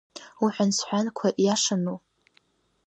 Уҳәансҳәанқәа иашану?